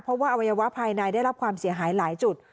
เพราะว่าอวัยวะภายในได้รับความเสียหายหลายจุด